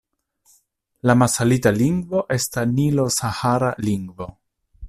La masalita lingvo estas nilo-sahara lingvo.